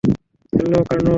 Hello, Kurnool!